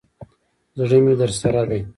زړه مي درسره دی.